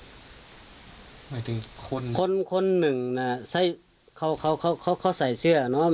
หมายถึงคนคนหนึ่งน่ะใส่เขาเขาเขาใส่เสื้อเนอะ